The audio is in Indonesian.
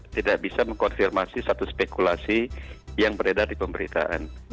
tidak bisa mengkonfirmasi satu spekulasi yang beredar di pemberitaan